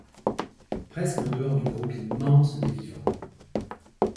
Presque en dehors du groupe immense des vivants.